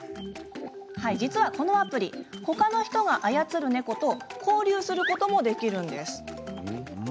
実はこのアプリ他の人が操る猫と交流することもできるんです。